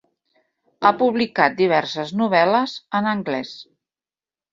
Ha publicat diverses novel·les en anglès.